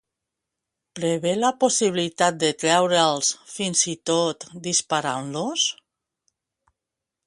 Prevé la possibilitat de treure'ls fins i tot disparant-los?